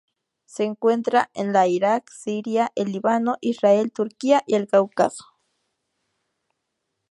Se encuentra en la Irak, Siria, el Líbano, Israel, Turquía y el Cáucaso.